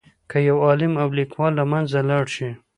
که یو عالم او لیکوال له منځه لاړ شي.